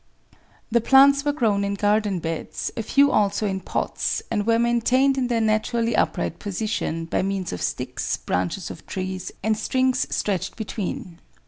The plants were grown in garden beds, a few also in pots, and were maintained in their naturally upright position by means of sticks, branches of trees, and strings stretched between.